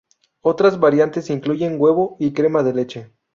Otras variantes incluyen huevo y crema de leche.